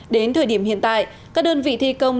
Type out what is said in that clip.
đến thời điểm hiện tại các đơn vị thi công